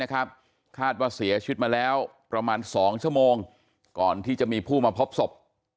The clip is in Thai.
คาดว่าเสียชีวิตมาแล้วประมาณ๒ชั่วโมงก่อนที่จะมีผู้มาพบศพ